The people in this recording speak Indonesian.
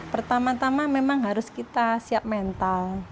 pertama tama memang harus kita siap mental